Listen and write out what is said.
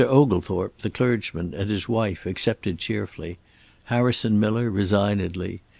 Oglethorpe, the clergyman, and his wife accepted cheerfully; Harrison Miller, resignedly.